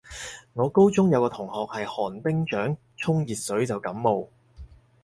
我高中有個同學係寒冰掌，沖熱水就感冒